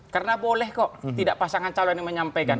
karena boleh kok tidak pasangan calon yang menyampaikan